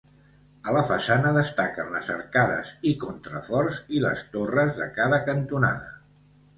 A la façana destaquen les arcades i contraforts i les torres de cada cantonada.